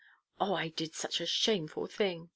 "Oh, I did such a shameful thing.